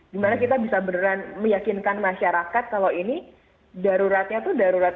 dimana kita bisa beneran meyakinkan masyarakat kalau ini daruratnya itu darurat